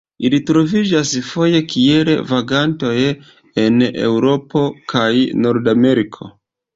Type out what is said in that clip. Ili troviĝas foje kiel vagantoj en Eŭropo kaj Nordameriko.